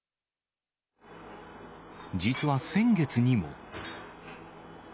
実は先月にも。